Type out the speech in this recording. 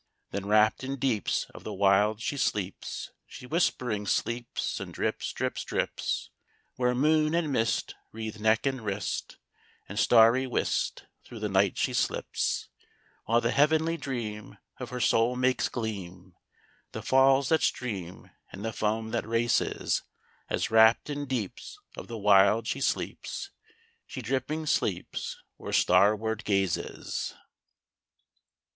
Then wrapped in deeps of the wild she sleeps, She whispering sleeps and drips, drips, drips: Where moon and mist wreathe neck and wrist, And, starry whist, through the night she slips: While the heavenly dream of her soul makes gleam The falls that stream and the foam that races, As wrapped in deeps of the wild she sleeps, She dripping sleeps or starward gazes.